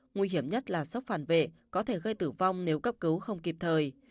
nguy hiểm nhất là sốc phản vệ có thể gây tử vong nếu cấp cứu không kịp thời